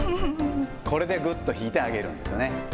これでぐっと引いてあげるんですよね。